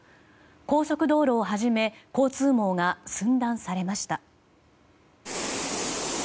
高速道路をはじめ交通網が寸断されました。